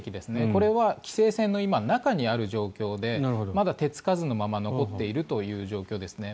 これは規制線の中にある状況でまだ手付かずのまま残っているという状況ですね。